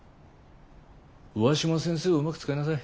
上嶋先生をうまく使いなさい。